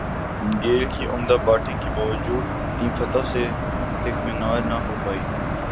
Caribbean Premier League Gayle کی عمدہ batting کے باوجود ٹیم فتح سے ہمکنار نہ ہو پائی